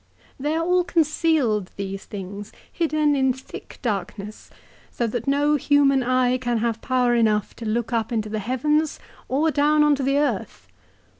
" They are all concealed, these things, hidden in thick darkness, so that no human eye can have power enough to look up into the heavens, or down on to the earth.